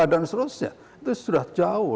dan seterusnya itu sudah jauh